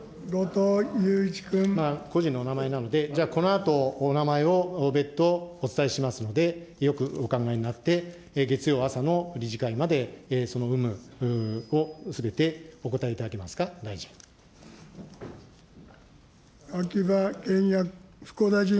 個人のお名前なので、じゃあ、このあと、お名前を別途、お伝えしますので、よくお考えになって、月曜朝の理事会まで、その有無をすべてお答えいただけますか、大臣。